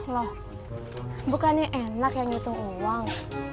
loh bukannya enak ya ngitung uang